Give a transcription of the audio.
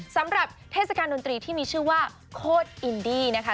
เทศกาลดนตรีที่มีชื่อว่าโคตรอินดี้นะคะ